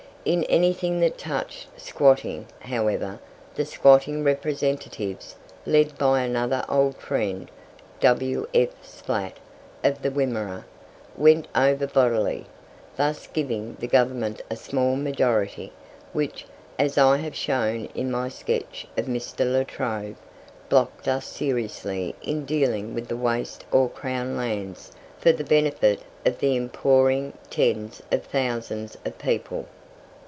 In anything that touched squatting, however, the squatting representatives, led by another old friend, W.F. Splatt, of the Wimmera, went over bodily, thus giving the Government a small majority, which, as I have shown in my sketch of Mr. La Trobe, blocked us seriously in dealing with the waste or Crown lands for the benefit of the inpouring tens of thousands of people.